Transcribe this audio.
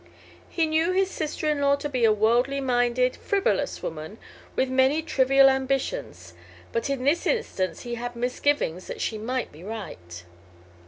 He knew his sister in law to be a wordly minded, frivolous woman, with many trivial ambitions; but in this instance he had misgivings that she might be right.